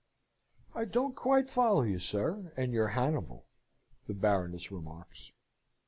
"I don't quite follow you, sir, and your Hannibal," the Baroness remarks.